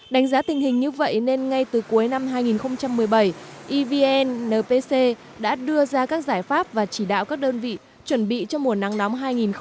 đánh giá tình hình như vậy nên ngay từ cuối năm hai nghìn một mươi bảy evn npc đã đưa ra các giải pháp và chỉ đạo các đơn vị chuẩn bị cho mùa nắng nóng hai nghìn một mươi chín